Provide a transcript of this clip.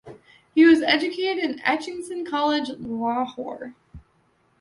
He was educated at Aitchison College, Lahore.